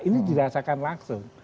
ini dirasakan langsung